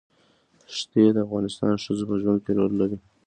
ښتې د افغان ښځو په ژوند کې رول لري.